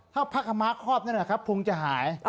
ถ้าพักกับม้าครอบนี่นะครับภุงจะหาย